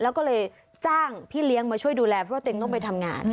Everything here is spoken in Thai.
แล้วก็เลยจ้างพี่เลี้ยงมาช่วยดูแลเพราะตัวเองต้องไปทำงาน